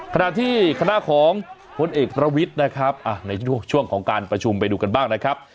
ขณะที่คณะของพลเอกประวิทย์นะครับในช่วงของการประชุมไปดูกันบ้างนะครับ